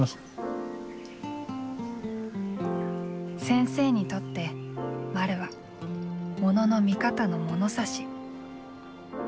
先生にとってまるは「モノの見方のものさし」。